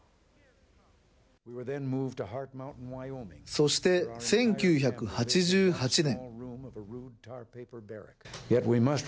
そして１９８８年。